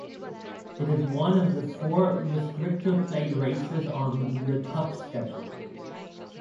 It is one of the four restrictor plate races on the Cup schedule.